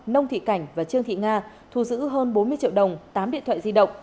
nông thị cảnh và trương thị nga thu giữ hơn bốn mươi triệu đồng tám điện thoại di động